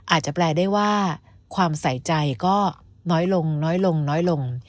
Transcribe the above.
อาจจะแปลได้ว่าความใส่ใจก็น้อยลงน้อยลงน้อยลง